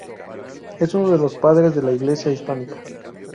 Es uno de los Padres de la Iglesia hispánica.